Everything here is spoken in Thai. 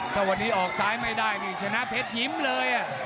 ถ้าวันนี้ออกซ้ายไม่ได้นี่ชนะเพชรยิ้มเลย